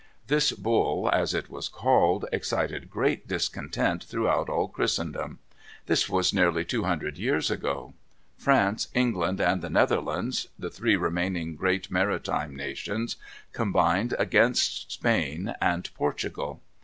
This bull as it was called, excited great discontent throughout all Christendom. This was nearly two hundred years ago. France, England, and the Netherlands, the three remaining great maritime nations, combined against Spain and Portugal.